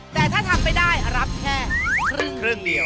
แต่ถ้าทำไม่ได้รับแค่ครึ่งเดียว